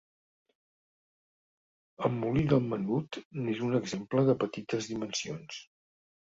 El Molí del Menut n'és un exemple de petites dimensions.